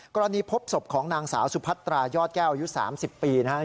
พบศพของนางสาวสุพัตรายอดแก้วอายุ๓๐ปีนะครับ